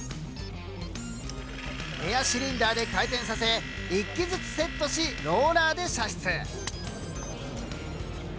エアシリンダーで回転させ１機ずつセットしローラーで射出。